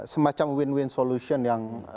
semacam win win solution yang